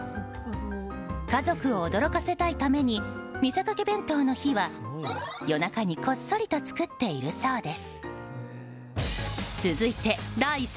家族を驚かせたいために見せかけ弁当の日は夜中にこっそりと作っているそうです。